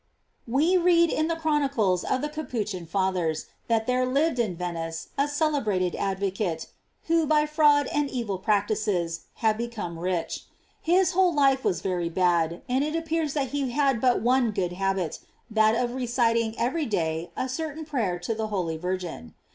We read in the chronicles of the Capuchin Fathers,* that there lived in Venice a celebrated advocate, who, by fraud and evil practices, had become richc His whole life was very bad, and it appears that he had but one good habit, that of reciting every day a certain prayer to the holy Virgin.